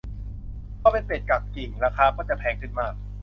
พอเป็นเป็ดปักกิ่ง ราคาก็จะแพงขึ้นมาก